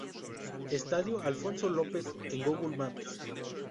Estadio Alfonso López en Google Maps